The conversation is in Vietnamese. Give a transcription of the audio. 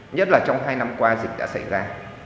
nhất là trong hai năm qua dịch đã xảy ra